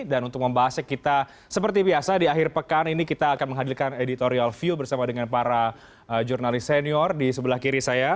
dan untuk membahasnya kita seperti biasa di akhir pekan ini kita akan menghadirkan editorial view bersama dengan para jurnalis senior di sebelah kiri saya